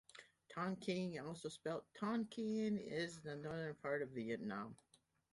Tongking, also spelt Tonkin, is the northern part of Vietnam.